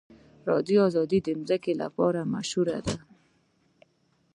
افغانستان د ځمکه لپاره مشهور دی.